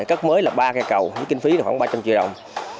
cấp mới là ba cây cầu với kinh phí khoảng ba trăm linh triệu đồng